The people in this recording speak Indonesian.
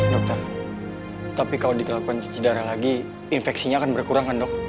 dokter tapi kalau dikelakukan cuci darah lagi infeksinya akan berkurang kan dok